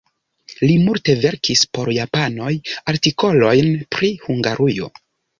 Li multe verkis por japanoj artikolojn pri Hungarujo.